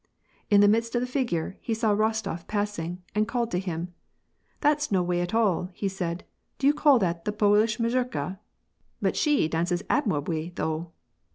In the midst of the figure, he saw Kos tof passing, and called him to him. " That's no way at all," said he, "do you call that the Pol ish mazurka ? But she dances admiwably though